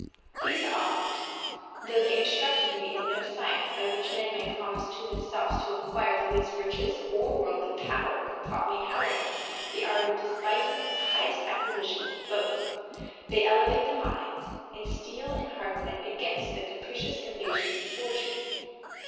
"These authors, though they instructed me in no science by which men may promise to themselves to acquire the least riches or worldly power, taught me, however, the art of despising the highest acquisitions of both. They elevate the mind, and steel and harden it against the capricious invasions of fortune.